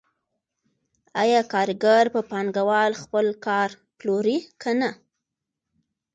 آیا کارګر په پانګوال خپل کار پلوري که نه